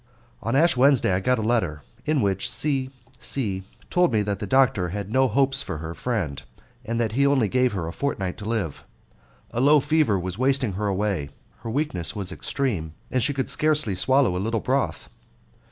On Ash Wednesday I got a letter, in which C C told me that the doctor had no hopes for her friend, and that he only gave her a fortnight to live. A low fever was wasting her away, her weakness was extreme, and she could scarcely swallow a little broth.